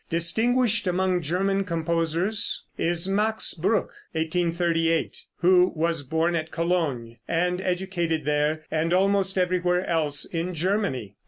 Distinguished among German composers is Max Bruch (1838 ) who was born at Cologne, and educated there and almost everywhere else in Germany.